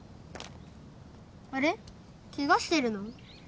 あれケガしてるの？